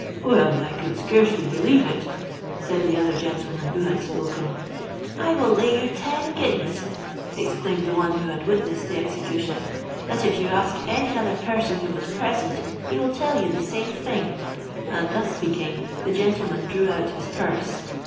'—'Well, I could scarcely believe it,' said the other gentleman who had spoken.—'I will lay you ten guineas,' exclaimed the one who had witnessed the execution, 'that if you ask any other person who was present, he will tell you the same thing: and, thus speaking, the gentleman drew out his purse.